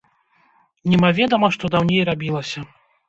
Немаведама што даўней рабілася.